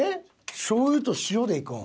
しょう油と塩でいくん？